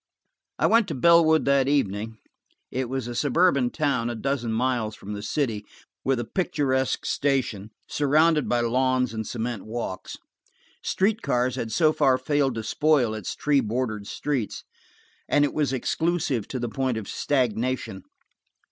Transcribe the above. I went to Bellwood that evening. It was a suburban town a dozen miles from the city, with a picturesque station, surrounded by lawns and cement walks. Streetcars had so far failed to spoil its tree bordered streets, and it was exclusive to the point of stagnation.